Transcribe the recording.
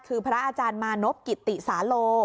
คือพระอาจารย์มานพกิติสาโล